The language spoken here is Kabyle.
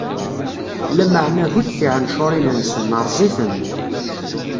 Lameɛna hudd tiɛencuṛin-nsen, rreẓ-itent.